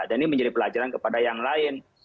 dan ini menjadi pelajaran kepada yang lain